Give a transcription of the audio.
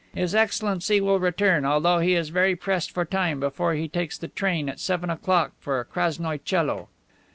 His Excellency will return, although he is very pressed for time, before he takes the train at seven o'clock for Krasnoie Coelo."